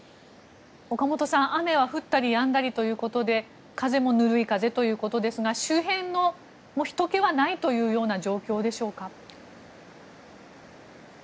岡本さん、雨は降ったりやんだりということで風もぬるい風ということですが周辺のひとけはないというような状況でしょうか？